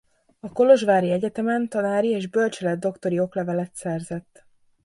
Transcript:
A kolozsvári egyetemen tanári és bölcseletdoktori oklevelet szerzett.